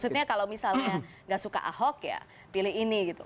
maksudnya kalau misalnya nggak suka ahok ya pilih ini gitu